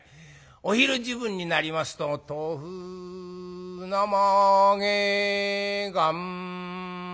お昼時分になりますと「豆腐生揚げがんもどき」。